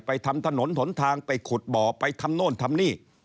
ทำถนนหนทางไปขุดบ่อไปทำโน่นทำนี่